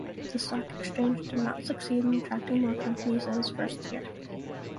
The stock exchange did not succeed in attracting more companies in its first year.